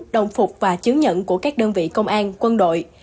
đồng phục và chứng nhận của các đơn vị công an quân đội